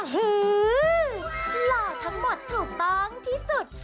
หล่อทั้งหมดถูกต้องที่สุด